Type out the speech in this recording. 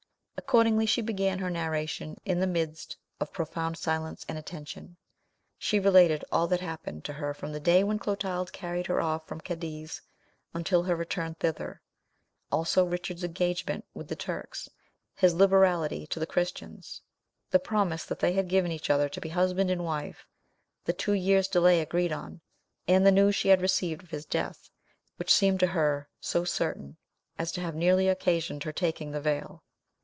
Accordingly she began her narration in the midst of profound silence and attention. She related all that happened to her from the day when Clotald carried her off from Cadiz until her return thither; also Richard's engagement with the Turks; his liberality to the Christians; the promise they had given each other to be husband and wife; the two years' delay agreed on, and the news she had received of his death, which seemed to her so certain, as to have nearly occasioned her taking the veil!